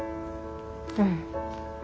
うん。